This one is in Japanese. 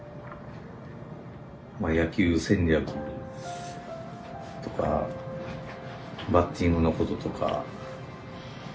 野球戦略とかバッティングのこととか指導者のこととか。